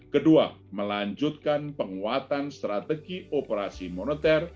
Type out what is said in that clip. kedua melanjutkan penguatan strategi operasi moneter